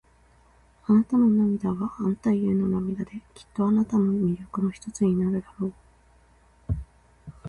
あなたの涙は、あなたゆえの涙で、きっとあなたの魅力の一つになるだろう。